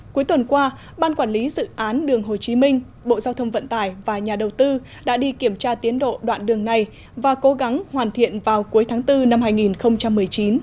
cuối tuần qua ban quản lý dự án đường hồ chí minh bộ giao thông vận tải và nhà đầu tư đã đi kiểm tra tiến độ đoạn đường này và cố gắng hoàn thiện vào cuối tháng bốn năm hai nghìn một mươi chín